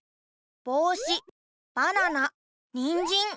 ぼうしばななにんじん。